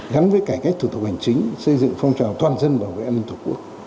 gắn với cải cách thủ tục hành chính xây dựng phong trào toàn dân bảo vệ an ninh tổ quốc